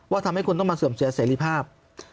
ทำให้คุณต้องมาเสื่อมเสียเสรีภาพ